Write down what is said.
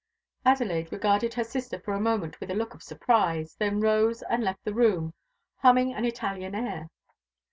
Adelaide regarded her sister for a moment with a look of surprise; then rose and left the room, humming an Italian air.